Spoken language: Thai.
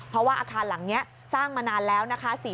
เพราะว่าอาคารหลังนี้สร้างมานานแล้วนะคะ